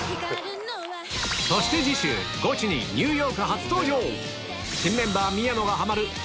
そして次週ゴチにニューヨーク初登場新メンバー宮野がハマるはい！